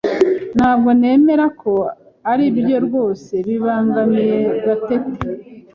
Ntabwo nemera ko aribyo rwose bibangamiye Gatete.